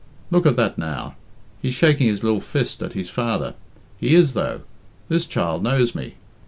Look at that, now! He's shaking his lil fist at his father. He is, though. This child knows me.